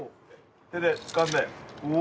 手でつかんでうお！